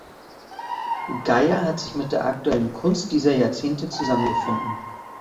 Geier hat sich mit der aktuellen Kunst dieser Jahrzehnte zusammengefunden.